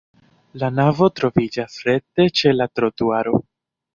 La navo troviĝas rekte ĉe la trotuaro.